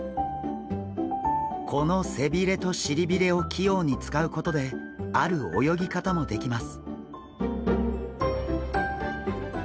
この背びれとしりびれを器用に使うことである泳ぎ方もできます。